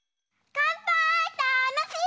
かんぱーいたのしい！